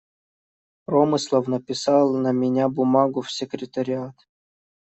Промыслов написал на меня бумагу в Секретариат.